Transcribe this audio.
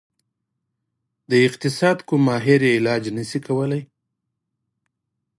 د اقتصاد کوم ماهر یې علاج نشي کولی.